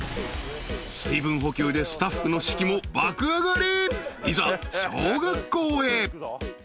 ［水分補給でスタッフの士気も爆上がり］